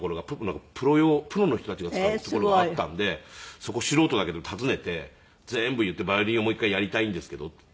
プロ用プロの人たちが使うところがあったんでそこ素人だけど訪ねて全部言って「バイオリンをもう一回やりたいんですけど」って言って。